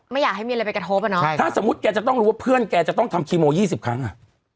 ไม่อยากให้มีอะไรไปกระทบอ่ะเนาะใช่ถ้าสมมุติแกจะต้องรู้ว่าเพื่อนแกจะต้องทำคีโมยี่สิบครั้งอ่ะ